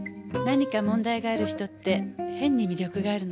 何か問題がある人って変に魅力があるの。